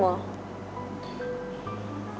mau lottery ya